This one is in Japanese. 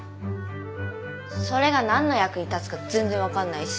それが何の役に立つか全然分かんないし。